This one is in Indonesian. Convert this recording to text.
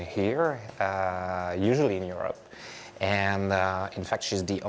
dia adalah orang yang sangat berusaha